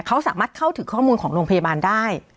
เขาสามารถเข้าถึงข้อมูลของโรงพยาบาลได้